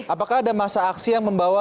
apakah ada masa aksi yang membawa